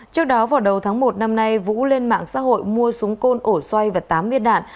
trước đó vào đầu tháng một năm nay vũ lên mạng xã hội mua súng côn ổ xoay và tám viên đạn